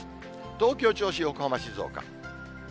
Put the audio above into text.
東京、銚子、横浜、静岡。